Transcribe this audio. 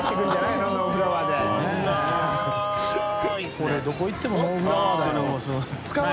これどこ行ってもノーフラワーじゃないの？